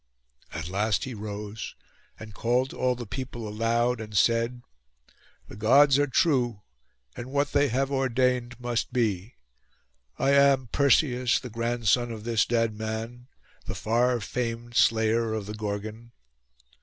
At last he rose, and called to all the people aloud, and said— 'The Gods are true, and what they have ordained must be. I am Perseus, the grandson of this dead man, the far famed slayer of the Gorgon.